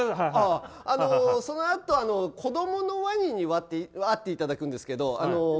そのあと、子供のワニに会っていただくんですけど